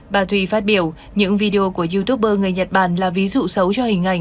bà thùy phát biểu những video của youtuber người nhật bản là ví dụ xấu cho hình ảnh